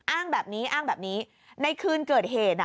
อ้างแบบนี้ในคืนเกิดเหตุ